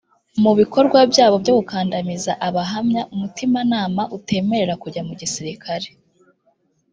mu bikorwa byabo byo gukandamiza abahamya umutimanama utemerera kujya mu gisirikare